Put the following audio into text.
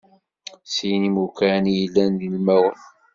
Sin imukan i yellan d ilmawen.